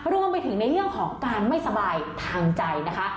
รวมไปถึงในเรื่องของการไม่สบายทางใจนะคะ